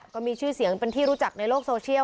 ก็มีชื่อเสียงเป็นที่รู้จักในโลกโซเชียล